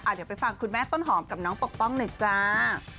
เดี๋ยวไปฟังคุณแม่ต้นหอมกับน้องปกป้องหน่อยจ้า